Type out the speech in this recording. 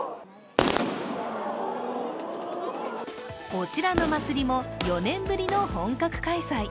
こちらの祭りも４年ぶりの本格開催。